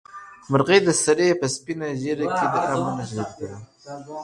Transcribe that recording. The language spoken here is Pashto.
مرغۍ د سړي په سپینه ږیره کې د امن نښه لیدلې وه.